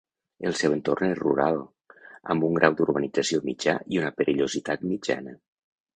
El seu entorn és rural, amb un grau d'urbanització mitjà i una perillositat mitjana.